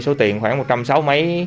số tiền khoảng một trăm sáu mươi mấy